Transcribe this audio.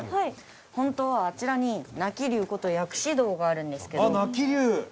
ホントはあちらに鳴龍こと薬師堂があるんですけど。